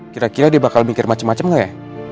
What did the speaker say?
kira kira dia bakal mikir macem macem gak ya